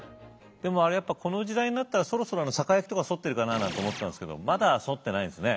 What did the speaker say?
でもあれやっぱこの時代になったらそろそろ月代とか剃ってるかななんて思ってたんですけどまだ剃ってないですね。